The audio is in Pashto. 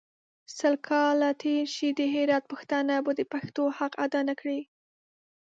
سل کاله تېر سي د هرات پښتانه به د پښتو حق اداء نکړي.